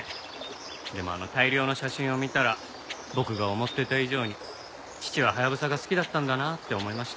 でもあの大量の写真を見たら僕が思ってた以上に父はハヤブサが好きだったんだなって思いました。